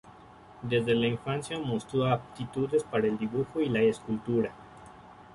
Desde la infancia mostró aptitudes para el dibujo y la escultura.